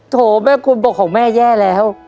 โถแม่คุณบอกของแม่แย่แล้ว